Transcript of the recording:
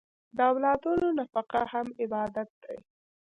د اولادونو نفقه هم عبادت دی.